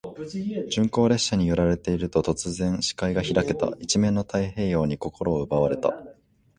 鈍行列車に揺られていると、突然、視界が開けた。一面の太平洋に心を奪われた。